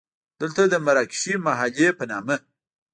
دلته د مراکشي محلې په نامه.